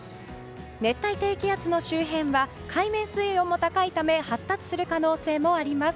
熱帯低気圧の周辺は海面水温も高いため発達する可能性もあります。